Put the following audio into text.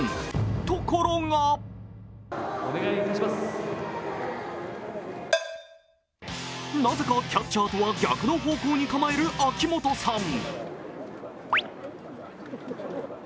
ところがなぜかキャッチャーとは逆の方向に構える秋元さん。